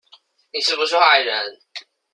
你是不是壞人